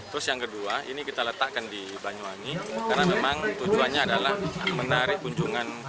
terus yang kedua ini kita letakkan di banyuwangi karena memang tujuannya adalah menarik kunjungan